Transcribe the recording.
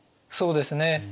そうですね